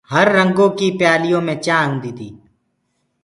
هررنگو ڪي پيآليو مين چآنه هوندي